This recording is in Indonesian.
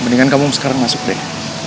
mendingan kamu sekarang masuk deh